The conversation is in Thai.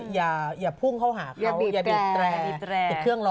อย่าพุ่งเขาหาเขาอย่าบีบแตร